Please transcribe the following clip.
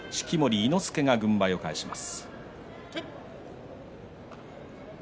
伊之助が軍配を返します。